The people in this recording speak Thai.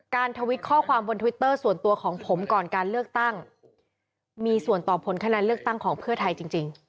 ทวิตข้อความบนทวิตเตอร์ส่วนตัวของผมก่อนการเลือกตั้งมีส่วนต่อผลคะแนนเลือกตั้งของเพื่อไทยจริง